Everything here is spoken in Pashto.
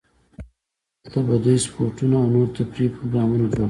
دلته به دوی سپورتونه او نور تفریحي پروګرامونه جوړول.